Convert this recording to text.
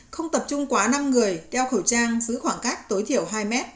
không tập trung quá năm người đeo khẩu trang giữ khoảng cách tối thiểu hai m